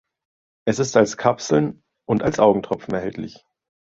Es ist als Kapseln und als Augentropfen erhältlich.